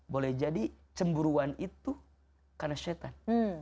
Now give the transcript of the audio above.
boleh jadi cemburuan itu karena syetan